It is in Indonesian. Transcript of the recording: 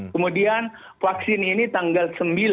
kemudian vaksin ini tanggal sembilan dan tanggal dua belas